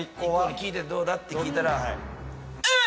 ＩＫＫＯに聞いて「どうだ？」って聞いたら。